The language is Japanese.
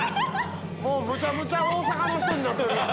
もうむちゃむちゃ大阪の人になってる。